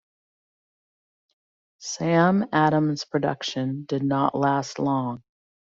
Sam Adams production did not last long.